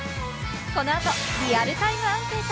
この後、リアルタイムアンケート！